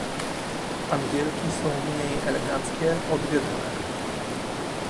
Angielki są mniej eleganckie od wiedenek.